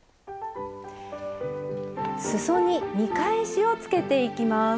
すそに見返しをつけていきます。